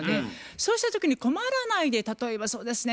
そうした時に困らないで例えばそうですね